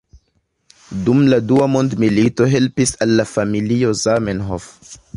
Dum la dua mondmilito helpis al la familio Zamenhof.